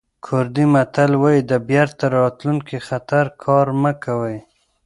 کوردي متل وایي د بېرته راتلونکي خطر کار مه کوئ.